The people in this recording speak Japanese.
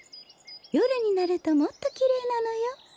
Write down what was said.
よるになるともっときれいなのよ。